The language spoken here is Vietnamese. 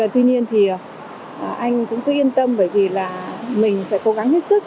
tuy nhiên thì anh cũng cứ yên tâm bởi vì là mình phải cố gắng hết sức